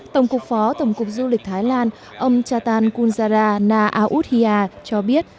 tổng cục phó tổng cục du lịch thái lan ông chatan kuljara na authia cho biết